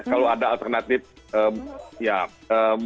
kalau ada alternatif ya mudik ke norwegia